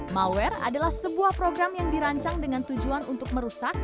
malware adalah sebuah program yang dirancang dengan tujuan untuk merusak